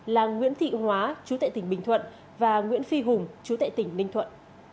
là nguyễn thị hóa chú tệ tỉnh bình thuận và nguyễn phi hùng chú tại tỉnh ninh thuận